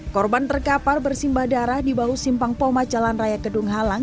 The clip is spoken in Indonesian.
korban terkapar bersimbah darah di bahu simpang poma jalan raya kedung halang